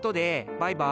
バイバイ！